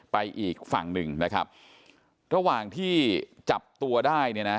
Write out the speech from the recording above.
ไปอีกฝั่งหนึ่งนะครับระหว่างที่จับตัวได้เนี่ยนะ